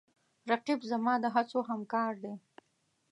رقیب زما د هڅو همکار دی